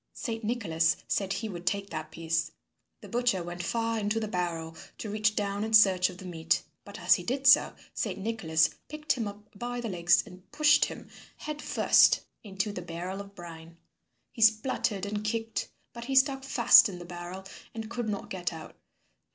Saint Nicholas said he would take that piece. The butcher bent far into the barrel to reach down in search of the meat. But as he did so, Saint Nicholas picked him up by the legs and pushed him head first into the barrel of brine. He spluttered and kicked, but he stuck fast in the barrel, and could not get out.